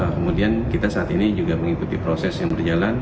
kemudian kita saat ini juga mengikuti proses yang berjalan